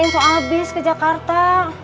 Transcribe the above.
insu abis ke jakarta